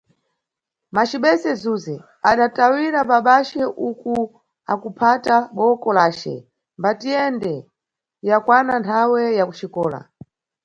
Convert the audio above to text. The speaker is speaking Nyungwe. Macibese Zuze, adantayira babace uku akuphata boko lace, mbatiyende, yakwana nthawe ya kuxikola.